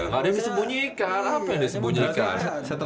apa yang disembunyikan apa yang disembunyikan